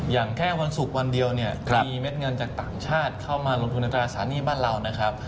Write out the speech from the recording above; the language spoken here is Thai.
อย่างแค่วันศุกร์วันเดียวเนี่ยมีเม็ดเงินจากต่างชาติเข้ามาลงทุนในตราสารหนี้บ้านเรานะครับ